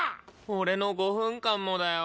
俺の５分間もだよ。